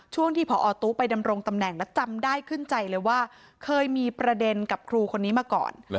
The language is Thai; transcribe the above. ช่วงที่พอตู้ไปดำรงตำแหน่งแล้วจำได้ขึ้นใจเลยว่าเคยมีประเด็นกับครูคนนี้มาก่อน